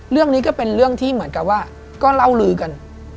เรื่องนี้ก็เป็นเรื่องที่เหมือนกับว่าก็เล่าลือกัน